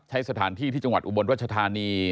ใช้สถานที่ที่จังหวัดอุบลรัชธานี